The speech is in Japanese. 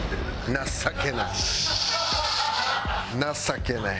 情けない。